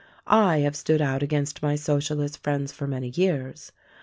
I have stood out against my Socialist friends for many years.